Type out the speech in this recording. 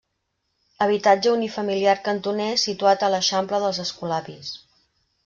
Habitatge unifamiliar cantoner situat a l'eixample dels Escolapis.